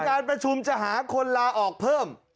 การประชุมจะหาคนลาออกเพิ่ม